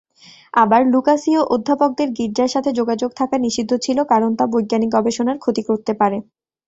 আবার লুকাসীয় অধ্যাপকদের গির্জার সাথে যোগাযোগ থাকা নিষিদ্ধ ছিল, কারণ তা বৈজ্ঞানিক গবেষণার ক্ষতি করতে পারে।